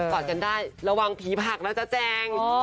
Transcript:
อดกันได้ระวังผีผักนะจ๊ะแจง